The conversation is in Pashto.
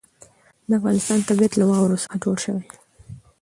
د افغانستان طبیعت له واورو څخه جوړ شوی دی.